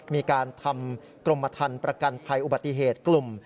มีการทำกรมทันประกันภัยอุบัติเหตุกลุ่ม